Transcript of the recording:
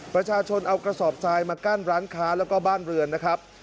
ประชาชนเอากระสอบทรายมากั้นร้านค้าแล้วก็บ้านเรือนนะครับ